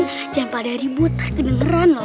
jangan pada ribut kedengeran loh